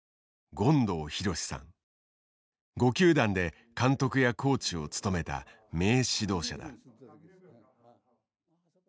５球団で監督やコーチを務めた名指導者だ。